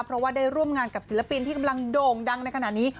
เพราะว่าได้ร่วมงานกับศิลปินที่กำลังโด่งดังในขณะนี้